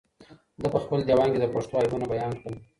ده په خپل ديوان کې د پښتنو عیبونه بيان کړل.